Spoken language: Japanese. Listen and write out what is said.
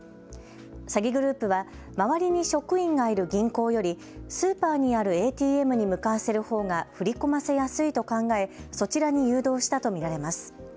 詐欺グループは周りに職員がいる銀行よりスーパーにあるＡＴＭに向かわせるほうが振り込ませやすいと考えそちらに誘導したと見られます。